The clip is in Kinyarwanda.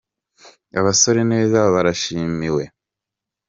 Abasora Neza barabishimiwe